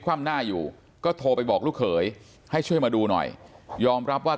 ว่ำหน้าอยู่ก็โทรไปบอกลูกเขยให้ช่วยมาดูหน่อยยอมรับว่า